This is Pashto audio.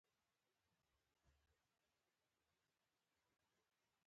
په لوېدیځ کې قاجار فتح علي شاه د وروڼو له مخالفتونو ګټه پورته کړه.